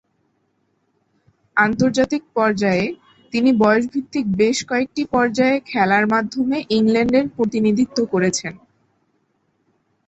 আন্তর্জাতিক পর্যায়ে, তিনি বয়সভিত্তিক বেশ কয়েকটি পর্যায়ে খেলার মাধ্যমে ইংল্যান্ডের প্রতিনিধিত্ব করেছেন।